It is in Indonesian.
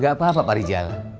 gak apa apa pak rijal